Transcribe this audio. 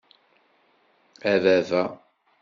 A baba!